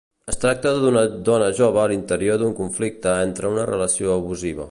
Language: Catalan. Es tracta d'una dona jove a l'interior d'un conflicte entre una relació abusiva.